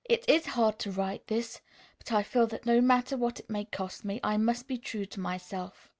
It is hard to write this, but I feel that no matter what it may cost me I must be true to myself.